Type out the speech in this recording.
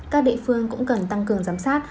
các địa phương cũng cần tăng cường giám sát